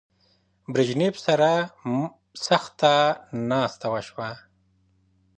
برژنیف سره سخته ناسته وشوه.